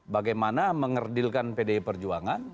bagaimana mengerdilkan pdi perjuangan